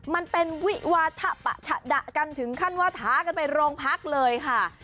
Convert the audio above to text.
มันเป็นวิวาทะปะฉะดะกันถึงขั้นว่าท้ากันไปโรงพักเลยค่ะ